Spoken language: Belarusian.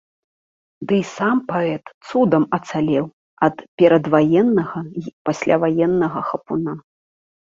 Дый сам паэт цудам ацалеў ад перадваеннага й пасляваеннага хапуна.